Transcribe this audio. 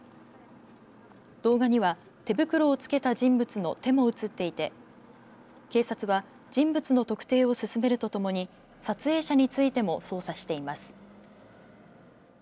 動画には手袋を着けた人物の手も映っていて警察は人物の特定を進めるともに撮影者についても捜査しています。